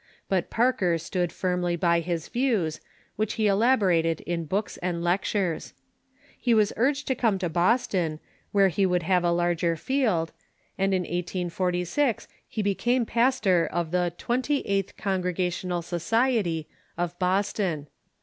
But Parker stood firmly by his views, which he elaborated in books and lectures. He was urged to come to Boston, where he would have a larger field, and in 1846 he became pastor of the "Twenty eighth Congre gational Society " of Boston.